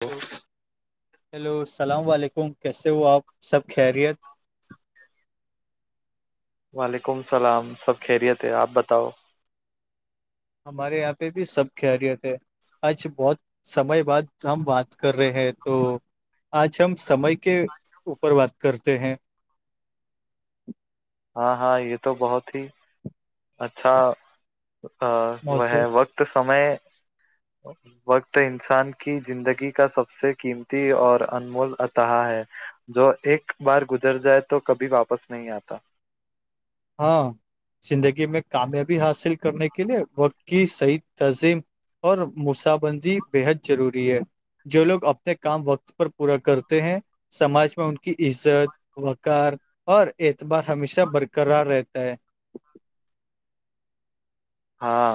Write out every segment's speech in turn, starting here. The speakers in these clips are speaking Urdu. ہیلو ہیلو السلام علیکم کیسے ہو آپ سب خیریت وعلیکم السلام سب خیریت ہے آپ بتاؤ ہمارے یہاں پہ بھی سب خیریت ہے آج بہت سمئے بعد ہم بات کر رہے ہیں تو آج ہم سمئے کے اوپر بات کرتے ہیں ہاں ہاں یہ تو بہت ہی اچھا وہ موضوع ہے وقت سمئے وقت انسان کی زندگی کا سب سے قیمتی اور انمول اطحا ہے جو ایک بار گزر جائے تو کبھی واپس نہیں آتا ہاں زندگی میں کامیابی حاصل کرنے کے لیے وقت کی صحیح تنظیم اور موس بندی بےحد ضروری ہے جو لوگ اپنے کام وقت پر پورا کرتے ہیں سماج میں ان کی عزت وقار اور اعتبار ہمیشہ برک کررار رہتا ہے ہاں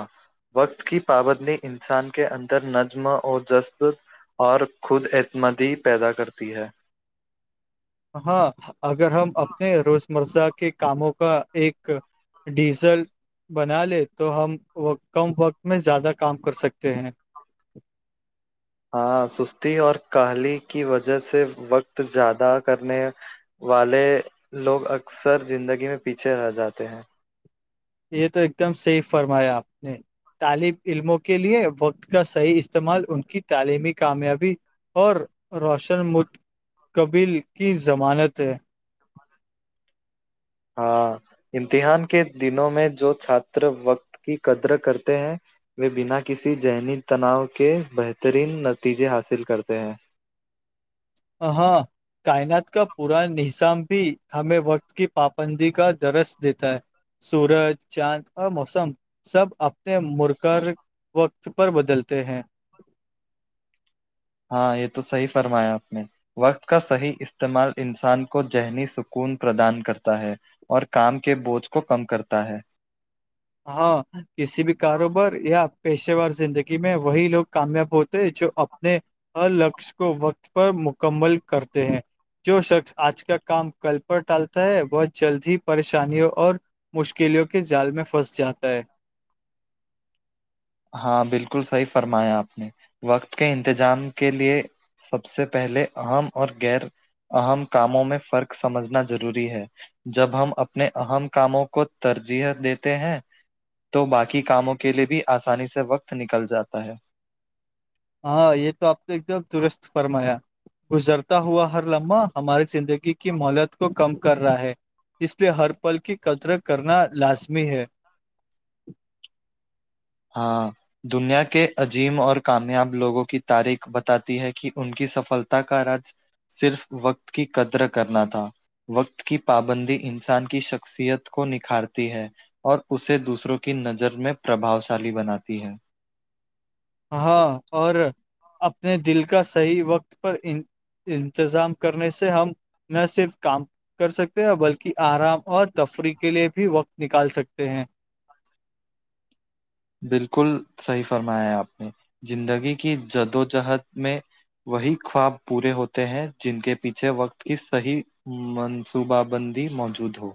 وقت کی پابندی انسان کے اندر نظم اور جذب اور خود اعتمادی پیدا کرتی ہے ہاں اگر ہم اپنے روز مرزہ کے کاموں کا ایک ڈیزل بنا لے تو ہم کم وقت میں زیادہ کام کر سکتے ہیں ہاں سستی اور کہلی کی وجہ سے وقت زیادہ کرنے والے لوگ اکثر زندگی میں پیچھے رہ جاتے ہیں یہ تو ایک دم سیف فرمایا آپ نے طالب علموں کے لیے وقت کا صحیح استعمال ان کی تعلیمی کامیابی اور روشن متقبل کی ضمانت ہے ہاں امتحان کے دنوں میں جو چھاتر وقت کی قدر کرتے ہیں وہ بنا کسی ذہنی تناؤ کے بہترین نتیجے حاصل کرتے ہیں ہاں کائنات کا پا نظام بھی ہمیں وقت کی پابندی کا درس دیتا ہے سورج چاند اور موسم سب مر کر وقت پر بدلتے ہیں ہاں یہ تو صحیح فرمایا آپ نے وقت کا صحیح استعمال انسان کو ذہنی سکون پردان کرتا ہے اور کام کے بوجھ کو کم کرتا ہے ہاں کسی بھی کاروبار یا پیشے وور زندگی میں وہی لوگ کامیاب ہوتے جو اپنے ہر لقش کو وقت پر مکمل کرتے ہیں جو شخص آج کا کام کل پر ٹالتا ہے بہت جلد ہی پریشانیوں اور مشکلوں کے جال میں پھنس جاتا ہے ہاں بالکل صحیح فرمایا آپ نے وقت کے انتظام کے لیے سب سے پہلے اہم اور غیر اہم کاموں میں فرق سمجھنا ضروری ہے جب ہم اپنے اہم کاموں کو ترجیح دیتے ہیں تو باقی کاموں کے لے بھی آسانی سے وقت نکل جاتا ہے ہاں یہ تو آپ نے ایک دم درست فرمایا گزرتا ہوا ہر لمحہ ہماری زندگی کی مہولت کو کم کر رہا ہے اس لیے ہر پل کی قطرت کرنا لازمی ہے ہاں دنیا کے عجیم اور کامیاب لوگوں کی تاریخ بتاتی ہے کہ ان کی سفلتا کا راج صرف وقت کی قدر کرنا تھا وقت کی پابندی انسان کی شخصیت کو نکھارتی ہے اور اسے دوسروں کی نظر میں پربا شالی بناتی ہے ہاں اور اپنے دل کا صحیح وقت پر ان انتظام کرنے سے ہم نہ صرف کام کر سکتے ہیں اور بلکہ آرام اور تفریح کے لیے بھی وقت نکال سکتے ہیں بالکل صحیح فرمایا آپ نے زندگی کی جدوجہد میں وہی خواب پورے ہوتے ہیں جن کے پیچھے وقت کی صحی منصوبہ بندی موجود ہو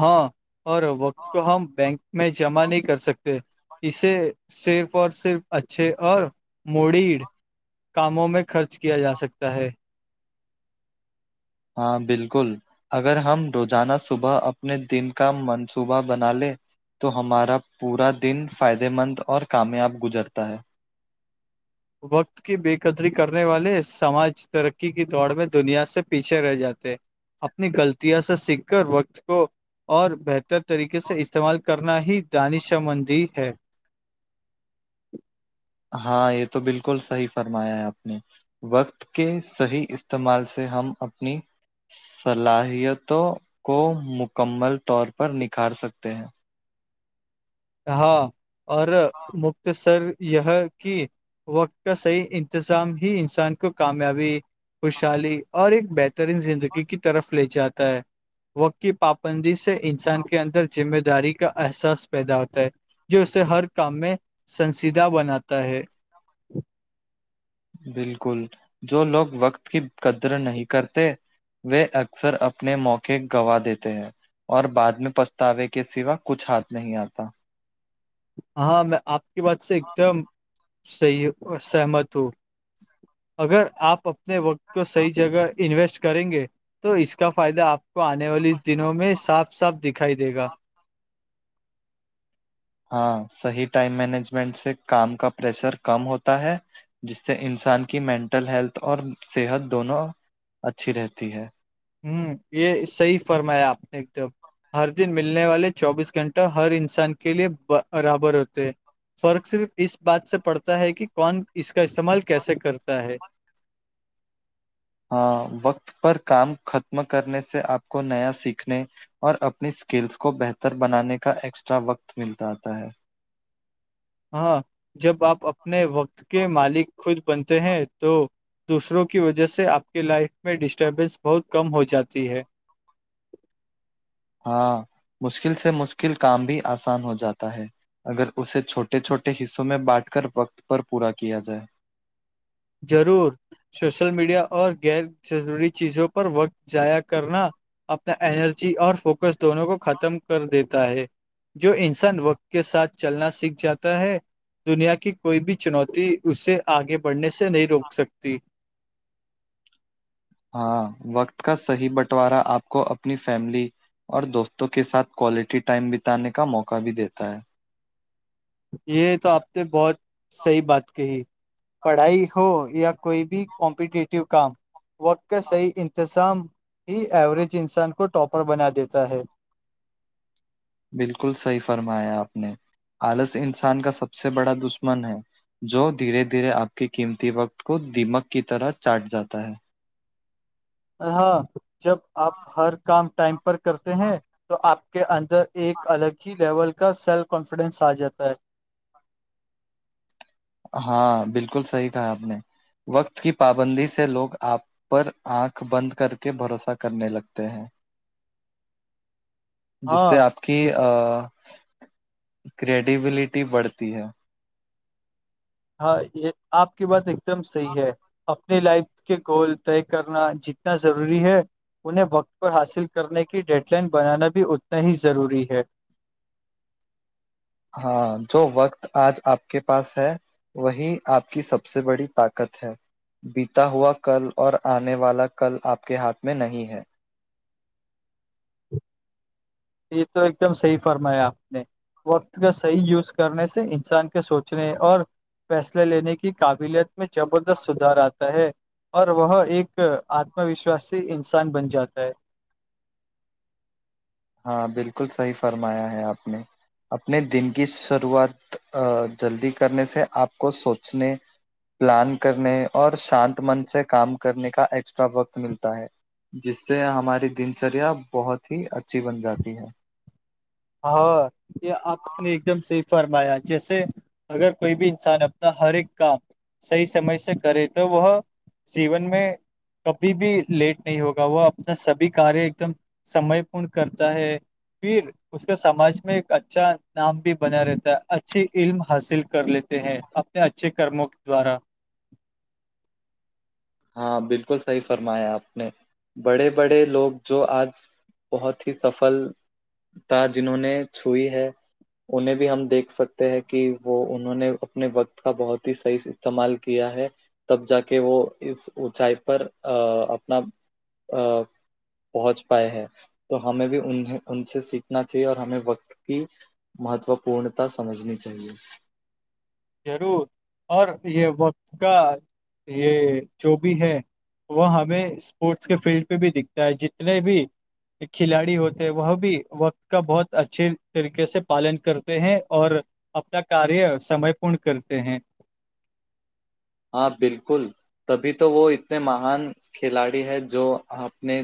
ہاں اور وقت کو ہم بینک میں جمع نہیں کر سکتے اسے صرف اور صرف اچھے اور موڈیڈ کاموں میں خرچ کیا جا سکتا ہے ہاں بالکل اگر ہم روزانہ صبح اپنے دن کا منصوبہ بنا لے تو ہمارا پورا دن فائدے مند اور کامیاب گزرتا ہے وقت کی بے قدری کرنے والے سماج ترقی کی دوڑ میں دنیا سے پیچھے رہ جاتے اپنی غلطیاں سے سیکھ کر وقت کو اور بہتر طریقے سے استعمال کرنا ہی دانشبندی ہے ہاں یہ تو بالکل صحیح فرمایا ہے آپ نے وقت کے صحیح استعمال سے ہم اپنی صلاحیتوں کو مکمل طور پر نکھار سکتے ہیں ہاں اور مختصر یہ کہ وقت کا صحیح انتظام ہی انسان کو کامیابی خوشحالی اور ایک بہترین زندگی کی طرف لے جاتا ہے وقت کی پابندی سے انسان کے اندر ذمہ داری کا احساس پیدا ہوتا ہے جو اسے ہر کام میں سنسییدہ بناتا ہے بالکل جو لوگ وقت کی قدر نہیں کرتے وہ اکثر اپنے موقع گوا دیتے ہیں اور بعد میں پچھتاوے کے سوا کچھ ہاتھ نہیں آتا ہاں میں آپ کی بات سے ایک دم صحیح سہمت ہو اگر آپ اپنے وقت کو صحیح جگہ انویسٹ کریں گے تو اس کا فائدہ آپ کو آنے والے دنوں میں صاف صاف دکھائی دے گا ہاں صحیح ٹائم مینجمنٹ سے کام کا پریشر کم ہوتا ہے جس سے انسان کی مینٹل ہیلتھ اور صحت دونوں اچھی رہتی ہے ہوں یہ صحی فرمایا آپ نے ایک دم ہر دن ملنے والے چوبیس گھنٹہ ہر انسان کے لیے برابر ہوتے فرق صرف اس بات سے پڑتا ہے کہ کون اس کا استعمال کیسے کرتا ہے ہ وقت پر کام ختم کرنے سے آپ کو نیا سیکھنے اور اپنی اسکلس کو بہتر بنانے کا ایکسٹرا وقت ملتا آتا ہے ہاں جب آپ اپنے وقت کے مالک خود بنتے ہیں تو دوسروں کی وجہ سے آپ کے لائف میں ڈسٹربینس بہت کم ہو جاتی ہے ہاں مشکل سے مشکل کام بھی آسان ہو جاتا ہے اگر اسے چھوٹے چھوٹے حصوں میں بانٹ کر وقت پر پورا کیا جائے ضرور سوشل میڈیا اور غیر ضروری چیزوں پر وقت ضائع کرنا اپنا انرجی اور فوکس دونوں کو ختم کر دیتا ہے جو انسان وقت کے ساتھ چلنا سیکھ جاتا ہے دنیا کی کوئی بھی چنوتی اسے آگے بڑھنے سے نہیں روک سکتی ہاں وقت کا صحی بنٹوارا آپ کو اپنی فیملی اور دوستوں کے ساتھ کوالٹی ٹائم بتانے کا موقع بھی دیتا ہے یہ تو آپ نے بہت صحیح بات کہی پڑھائی ہو یا کوئی بھی کمپیٹیٹیو کام وقت کا صحیح انتظام ہی ایوریج انسان کو ٹاپر بنا دیتا ہے بالکل صحیح فرمایا آپ نے آلس انسان کا سب سے بڑا دشمن ہے جو دھیرے دھیرے آپ کے قیمتی وقت کو دمک کی طرح چاٹ جاتا ہے ہاں جب آپ ہر کام ٹائم پر کرتے ہیں تو آپ کے ان ادھر ایک الگ ہی لیول کا سیلف کانفیڈینس آ جاتا ہے ہاں بالکل صحیح کہا آپ نے وقت کی پابندی سے لوگ آپ پر آنکھ بند کر کے بھروسہ کرنے لگتے ہیں جس سے ہاں آپ کی جس کریڈیبلٹی بڑھتی ہے ہاں یہ آپ کی بات ایک دم صحیح ہے اپنی لائف کے گول طے کرنا جتنا ضروری ہے انہیں وقت پر حاصل کرنے کی ڈیڈ لائن بنانا بھی اتنا ہی ضروری ہے ہاں جو وقت آج آپ کے پاس ہے وہی آپ کی سب سے بڑی طاقت ہے بیتا ہوا کل اور آنے والا کل آپ کے ہاتھ میں نہیں ہے یہ تو ایک دم صحیح فرمایا آپ نے وقت کا صحیح یوز کرنے سے انسان کے سوچنے اور فیصلے لینے کی قابلیت میں زبردست سدھار آتا ہے اور وہ ایک آتم وشاسی انسان بن جاتا ہے ہاں بالکل صحیح فرمایا ہے آپ نے اپنے دن کی شروعات جلدی کرنے سے آپ کو سوچنے پلان کرنے اور شانت من سے کام کرنے کا ایکسٹرا وقت ملتا ہے جس سے ہماری دن چریا بہت ہی اچھی بن جاتی ہے ہاں یہ آپ نے ایک دم صحی فرمایا جیسے اگر کوئی بھی انسان اپنا ہر ایک کام صحیح سمے سے کرے تو وہ جیون میں کبھی بھی لیٹ نہیں ہوگا وہ اپنا سبھی کاریہ ایک دم سمے پورن کرتا ہے پھر اس کو سماج میں ایک اچھا نام بھی بنا رہتا ہے اچھی علم حاصل کر لیتے ہیں اچھے کرموں دوارا ہاں بالکل صحیح فرمایا آپ نے بڑے بڑے لوگ جو آج بہت ہی سفلتا جنہوں نے چھوئی ہے انہیں بھی ہم دیکھ سکتے ہیں کہ وہ انہوں نے اپنے وقت کا بہت ہی صحیح استعمال کیا ہے تب جا کے وہ اس اونچائی پر ا اپنا پہنچ پائے ہیں تو ہمیں بھی انیں ان سے سیکھنا چاہیے اور ہمیں وقت کی مہتو پورنتا سمجھنی چاہیے ضرور اور یہ وقت کا یہ جو بھی ہے وہ ہمیں اسپورٹس کے فیلڈ پہ بھی دکھتا ہے جتنے بھی کھلاڑی ہوتے ہیں وہ بھی وقت کا بہت اچھے طریقے سے پالن کرتے ہیں اور اپنا کاریہ سمے پورن کرتے ہیں ہاں بالکل تبھی تو وہ اتنے مہان کھلاڑی ہے جو اپنے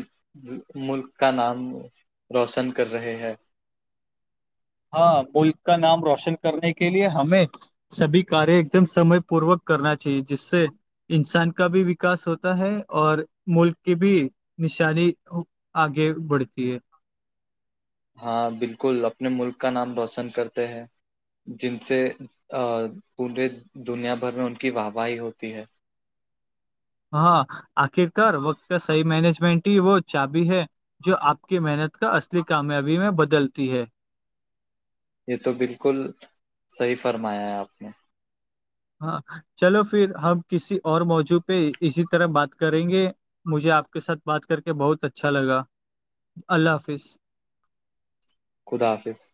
ملک کا نام روشن کر رہے ہیں ہاں ملک کا نام روشن کرنے کے لیے ہمیں سبھی کاریہ ایک دم سمئے پوروک کرنا چاہیے جس سے انسان کا بھی وکاس ہوتا ہے اور ملک کی بھی نشانی آگے بڑھتی ہے ہاں بالکل اپنے ملک کا نام روشن کرتے ہیں جن سے پورے دنیا بھر میں ان کی واہ واہی ہوتی ہے ہاں آخرکار وقت کا صحیح مینجمنٹ ہی وہ چابی ہے جو آپ کی محنت کا اصلی کامیابی میں بدلتی ہے یہ تو بالکل صحیح فرمایا ہے آپ نے ہاں چلو پھر ہم کسی اور موضوع پہ اسی طرح بات کریں گے مجھے آپ کے ساتھ بات کر کے بہت اچھا لگا اللہ حافظ خدا حافظ